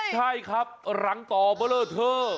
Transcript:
ใช่ครับหลังต่อเบอร์เลอร์เทอร์